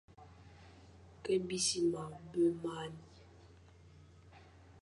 Ke besisima be marne,